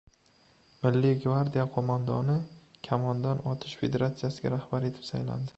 Milliy gvardiya qo‘mondoni Kamondan otish federasiyasiga rahbar etib saylandi